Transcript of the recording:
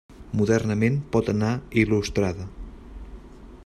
Modernament pot anar il·lustrada.